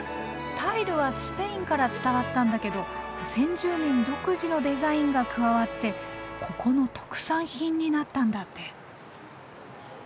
タイルはスペインから伝わったんだけど先住民独自のデザインが加わってここの特産品になったんだって。